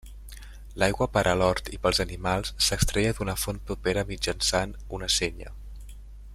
L'aigua per a l'hort i pels animals s'extreia d'una font propera mitjançant una sénia.